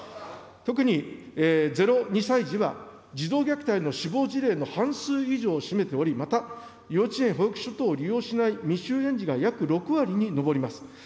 特に、０２歳児は児童虐待の死亡事例の半数以上を占めており、また幼稚園、保育所等を利用しない未就園児が約６割に上ります。